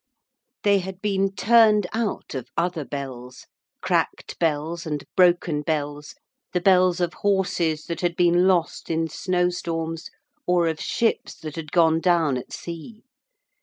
They had been turned out of other bells cracked bells and broken bells, the bells of horses that had been lost in snowstorms or of ships that had gone down at sea.